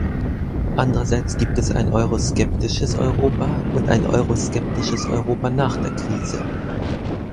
Andererseits gibt es ein euroskeptisches Europa und ein euroskeptisches Europa nach der Krise.